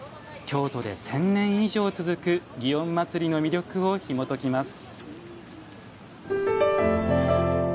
京都で１０００年以上続く祇園祭の魅力をひもときます。